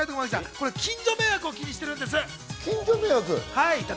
近所迷惑を気にしてるんです。